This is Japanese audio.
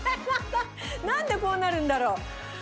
なんでこうなるんだろう。